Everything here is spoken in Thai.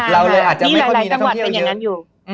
เราเลยอาจจะไม่ค่อยมีนักท่องเที่ยวเยอะ